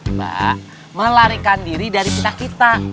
mbak melarikan diri dari kita kita